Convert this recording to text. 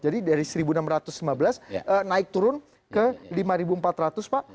jadi dari seribu enam ratus lima belas naik turun ke lima ribu empat ratus pak